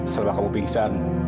setelah kamu bingung